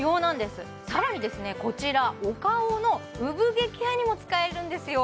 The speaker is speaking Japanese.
こちらお顔の産毛ケアにも使えるんですよ